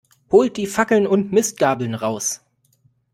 Holt die Fackeln und Mistgabeln raus!